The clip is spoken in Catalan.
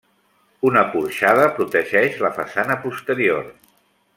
Una porxada protegeix la façana posterior.